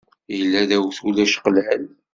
Yella d awtul ačeqlal.